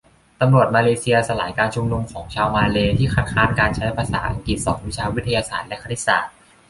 ตำรวจมาเลเซีย สลายการชุมนุมของชาวมาเลย์ ที่คัดค้านการใช้ภาษาอังกฤษสอนวิชาวิทยาศาสตร์และคณิตศาสตร์